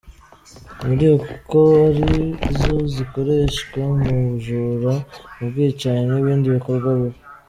Muzi ko ari zo zikoreshwa mu bujura, mu bwicanyi n’ibindi bikorwa bibi.